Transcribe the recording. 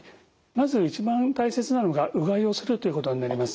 まず一番大切なのがうがいをするということになります。